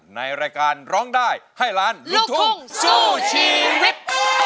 ในรายการร้องได้ให้ล้านลูกทุ่งสู้ชีวิต